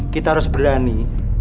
kita harus berani